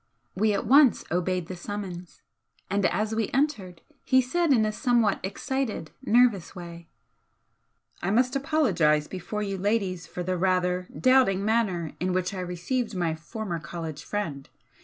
We at once obeyed the summons, and as we entered he said in a somewhat excited, nervous way: "I must apologise before you ladies for the rather doubting manner in which I received my former college friend!